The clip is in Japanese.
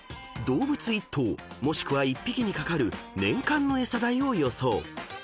［動物１頭もしくは１匹にかかる年間のエサ代を予想］